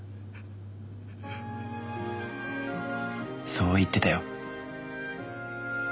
そう言ってたよ。